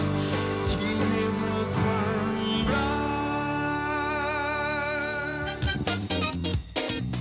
เรียกว่าความรัก